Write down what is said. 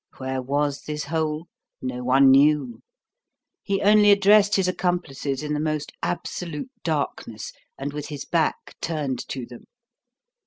Where was this hole? No one knew. He only addressed his accomplices in the most absolute darkness, and with his back turned to them.